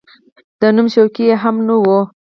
د نوم شوقي یې هم نه و.